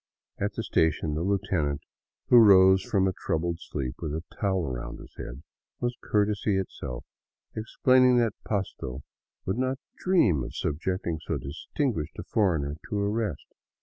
At the station the lieutenant, who rose from a troubled sleep with a towel around his head, was courtesy itself, explaining that Pasto would not dream of subjecting so distinguished a foreigner to arrest.